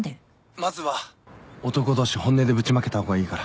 まずは男同士本音でぶちまけた方がいいから。